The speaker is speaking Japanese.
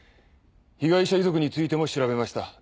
被害者遺族についても調べました。